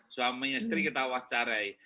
suami istri kita wawancarai